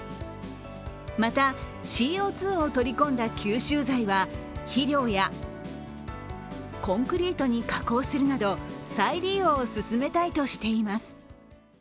またＣＯ２を取り込んだ吸収剤は肥料やコンクリートに加工するなど再利用を進めたいとしています。